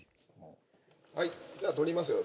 はいじゃあ撮りますよ。